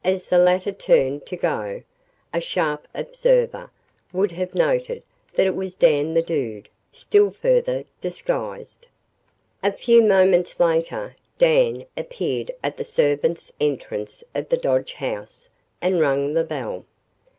As the latter turned to go, a sharp observer would have noted that it was Dan the Dude, still further disguised. A few moments later, Dan appeared at the servants' entrance of the Dodge house and rang the bell.